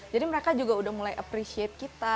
jadi mereka juga udah mulai appreciate kita